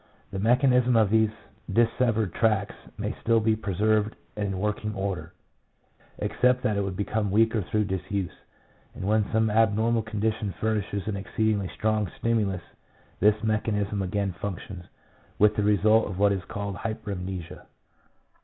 The mechanism of these dissevered tracts may still be preserved and in working order, except that it would become weaker through disuse ; and when some abnormal condition furnishes an exceedingly strong stimulus this mechanism again functions, with the result of what is called hypermnesia.